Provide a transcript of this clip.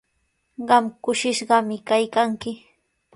Qam kushishqami kaykanki.